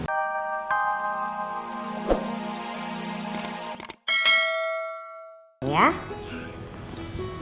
mama gak alam